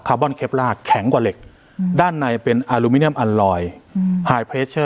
คาร์บอนเคปร่าแข็งกว่าเหล็กด้านในเป็นอาลูมิเนียมอัลลอยด์